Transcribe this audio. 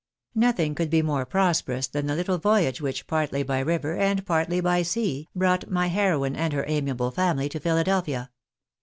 219 Nothing could be more prosperous than the little voyage which, partly by river, and partly by sea, brought my heroine and her amiable family to Philadelphia.